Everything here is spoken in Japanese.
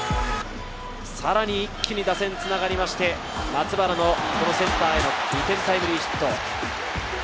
さらに一気に打線がつながりまして、松原のセンターへの２点タイムリーヒット。